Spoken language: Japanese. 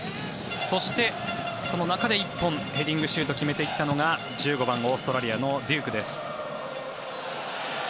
そして、その中で１本ヘディングシュートを決めていったのが１５番オーストラリアのデュークです。